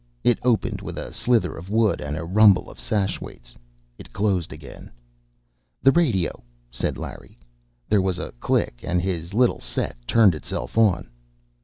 It opened with a slither of wood and a rumble of sash weights. It closed again. "The radio," said Larry. There was a click and his little set turned itself on.